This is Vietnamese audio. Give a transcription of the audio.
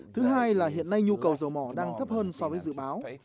thứ hai là hiện nay nhu cầu dầu mỏ đang thấp hơn so với dự báo